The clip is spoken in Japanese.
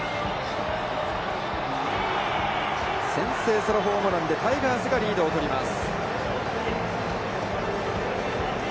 先制ソロホームランでタイガースがリードを取ります。